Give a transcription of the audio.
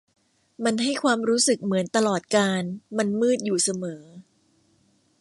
มันให้ความรู้สึกเหมือนตลอดกาลมันมืดอยู่เสมอ